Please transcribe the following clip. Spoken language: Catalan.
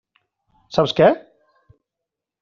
Saps què?